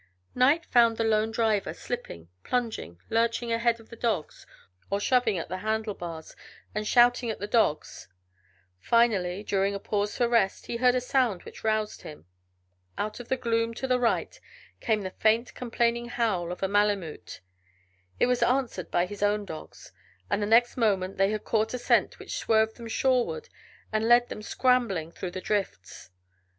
Night found the lone driver slipping, plunging, lurching ahead of the dogs, or shoving at the handle bars and shouting at the dogs. Finally, during a pause for rest he heard a sound which roused him. Out of the gloom to the right came the faint complaining howl of a malemute; it was answered by his own dogs, and the next moment they had caught a scent which swerved them shoreward and led them scrambling through the drifts.